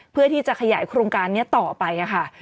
เพื่อที่จะขยายโครงการนี้ต่อไปค่ะ